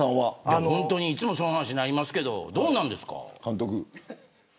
いつも、その話になりますけどどうなんですか、監督。